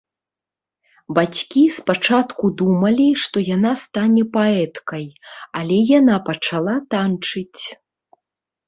Бацькі спачатку думалі, што яна стане паэткай, але яна пачала танчыць.